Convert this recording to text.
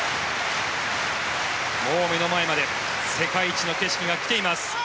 もう目の前まで世界一の景色が来ています。